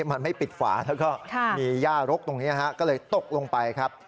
มันไม่ปิดฝาแล้วก็มีย่ารกตรงนี้ก็เลยตกลงไปครับ